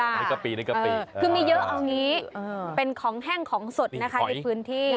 อันนี้กะปิอะไรล่ะคือมีเยอะเอาอย่างนี้เป็นของแห้งของสดนะคะในพื้นที่